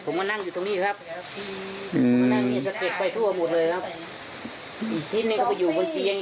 ผมมานั่งอยู่ตรงนี้ครับมานั่งนี่สะเก็ดไปทั่วหมดเลยครับอีกชิ้นนี้ก็ไปอยู่บนเตียง